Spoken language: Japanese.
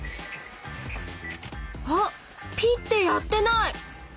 あっピッてやってない！